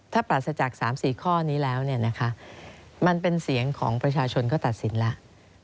ถ้าปราศจาก๓๔ข้อนี้แล้วมันเป็นเสียงของประชาชนก็ตัดสินแล้ว